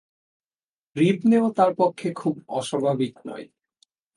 Trip নেওয়া তার পক্ষে খুব অস্বাভাবিক নয়।